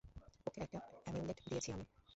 ওকে একটা অ্যামিউলেট দিয়েছি আমি।